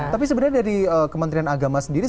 tapi sebenarnya dari kementerian agama sendiri